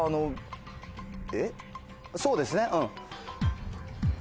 そうですね。